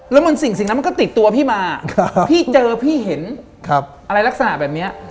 แล้วสิ่งนั้นมันก็ติดตัวพี่มาพี่เจอพี่เห็นอะไรลักษณะแบบนี้